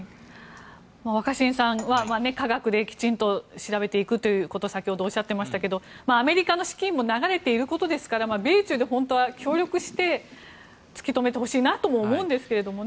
若新さん、科学できちんと調べていくということを先ほどおっしゃってましたけどアメリカの資金も流れていることですから本当は米中で協力して突き止めてほしいなとも思うんですけどね。